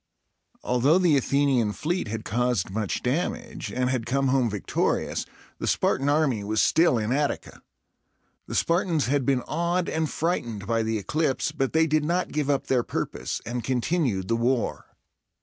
Although the Athenian fleet had caused much damage, and had come home victorious, the Spartan army was still in Attica. The Spartans had been awed and frightened by the eclipse, but they did not give up their purpose, and continued the war.